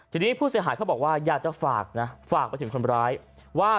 ทีนี้ผู้เสียหายเขาบอกว่าอยากจะฝากนะฝากไปถึงคนร้ายว่า